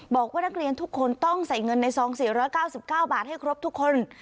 บอกว่านักเรียนทุกคนต้องใส่เงินในซองสี่ร้อยเก้าสิบเก้าบาทให้ครบทุกคน